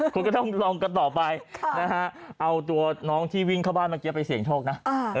คุณก็ต้องลองกันต่อไปนะฮะเอาตัวน้องที่วิ่งเข้าบ้านเมื่อกี้ไปเสี่ยงโชคนะ